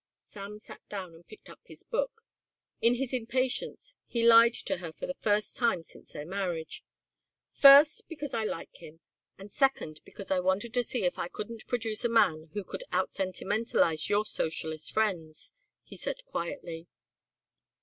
Sam sat down and picked up his book. In his impatience he lied to her for the first time since their marriage. "First, because I like him and second, because I wanted to see if I couldn't produce a man who could outsentimentalise your socialist friends," he said quietly.